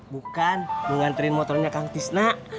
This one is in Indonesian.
bukan mau nganterin motornya kang tisna